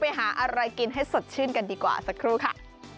ไปหาอะไรกินให้สดชื่นกันดีกว่าสักครู่ค่ะ